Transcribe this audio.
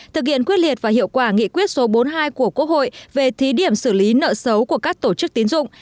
thực hiện quyết liệt và hiệu quả nghị quyết số bốn mươi hai của quốc hội về thí điểm xử lý nợ xấu của các tổ chức tín dụng